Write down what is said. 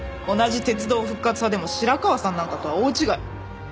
同じ鉄道復活派でも白川さんなんかとは大違い。